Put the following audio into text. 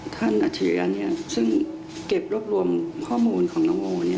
อัจฉริยะซึ่งเก็บรวบรวมข้อมูลของน้องโอ